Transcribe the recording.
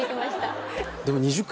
でも。